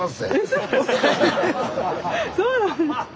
そうなんですか。